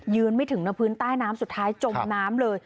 ไม่ถึงในพื้นใต้น้ำสุดท้ายจมน้ำเลย